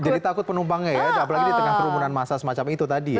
jadi takut penumpangnya ya apalagi di tengah kerumunan masa semacam itu tadi ya